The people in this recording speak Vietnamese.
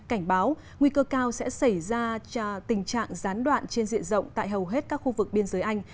cảnh báo nguy cơ cao sẽ xảy ra tình trạng gián đoạn trên diện rộng tại hầu hết các khu vực biên giới anh